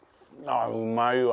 うまいわ。